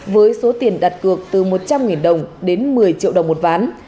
với số tiền đặt cược từ một trăm linh đồng đến một mươi triệu đồng một ván